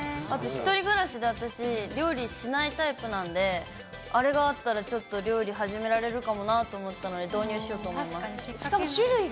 あと１人暮らしで私料理しないタイプなんで、あれがあったらちょっと料理始められるかもなと思ったので、確かに。